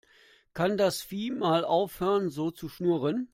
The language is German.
Kann das Viech mal aufhören so zu schnurren?